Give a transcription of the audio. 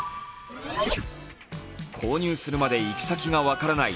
購入するまで行き先が分からない